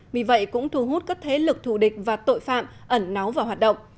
vì vậy cũng thu hút các thế lực thủ địch và tội phạm ẩn náo vào hoạt động